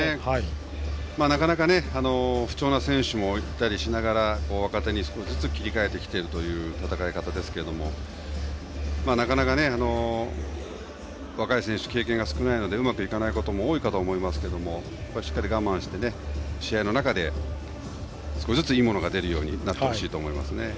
なかなか不調な選手もいたりしながら若手に少しずつ切り替えてきたという戦い方ですがなかなか若い選手は経験が少ないのでうまくいかないことも多いかとは思いますがしっかり我慢して試合の中で少しずついいものが出るようになってほしいと思います。